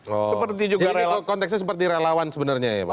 jadi konteksnya seperti relawan sebenarnya ya pak